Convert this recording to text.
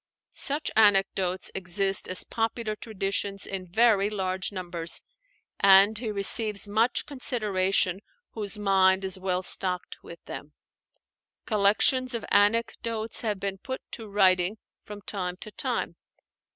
Such anecdotes exist as popular traditions in very large numbers; and he receives much consideration whose mind is well stocked with them. Collections of anecdotes have been put to writing from time to time.